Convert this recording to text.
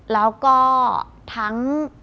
แล้วก็ทั้ง